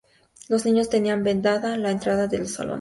Los niños tenían vedada la entrada a los salones.